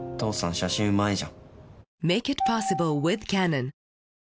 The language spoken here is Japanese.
写真うまいじゃん。